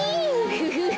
フフフフ。